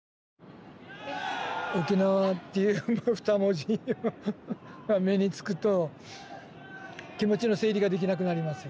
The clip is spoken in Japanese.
「沖縄」っていう二文字が目につくと気持ちの整理ができなくなります。